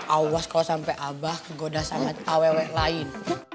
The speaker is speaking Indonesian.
awas kalau sampai abah goda sama awewe lain